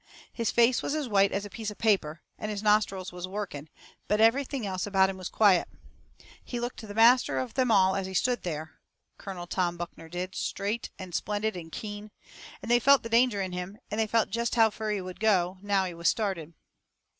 His face was as white as a piece of paper, and his nostrils was working, but everything else about him was quiet. He looked the master of them all as he stood there, Colonel Tom Buckner did straight and splendid and keen. And they felt the danger in him, and they felt jest how fur he would go, now he was started.